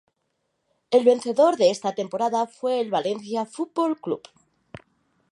El vencedor de esa temporada fue el Valencia Fútbol Club.